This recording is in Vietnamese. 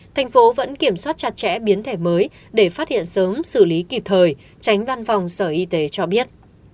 thành phố vẫn kiểm soát chặt chẽ biến thể mới để phát hiện sớm xử lý kịp thời tránh văn phòng sở y tế cho biết